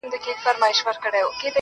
چت يم نړېږمه د عمر چي آخره ده اوس